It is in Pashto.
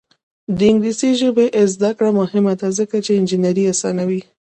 د انګلیسي ژبې زده کړه مهمه ده ځکه چې انجینري اسانوي.